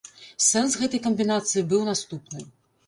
Сэнс гэтай камбінацыі быў наступны.